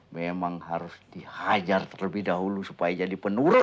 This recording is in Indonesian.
memang harus dihajar terlebih dahulu supaya jadi penurun